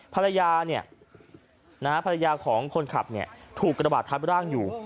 ภรรยาเนี่ยนะฮะภรรยาของคนขับเนี่ยถูกกระบะทำร่างอยู่